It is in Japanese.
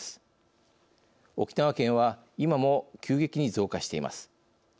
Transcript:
沖縄県は今も急激に増加しています。